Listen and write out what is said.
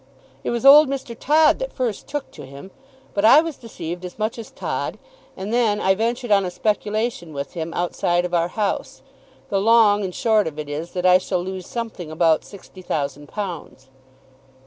"It was old Mr. Todd that first took to him; but I was deceived as much as Todd, and then I ventured on a speculation with him outside of our house. The long and the short of it is that I shall lose something about sixty thousand pounds."